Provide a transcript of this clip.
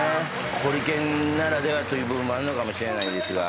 ホリケンならではという部分もあるのかもしれないですが。